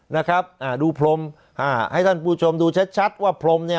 นะครับอ่าดูพรมอ่าให้ท่านผู้ชมดูชัดชัดว่าพรมเนี่ย